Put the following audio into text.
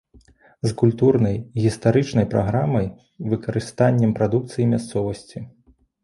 З культурнай, гістарычнай праграмай, выкарыстаннем прадукцыі мясцовасці.